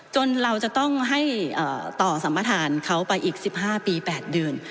เราจะต้องให้ต่อสัมประธานเขาไปอีก๑๕ปี๘เดือน